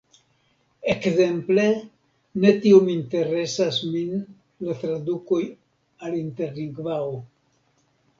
Ekzemple, ne tiom interesas min la tradukoj al Interlingvao.